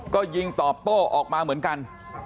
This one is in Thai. ก็ยิงตอบโต้ออกมาเหมือนกัน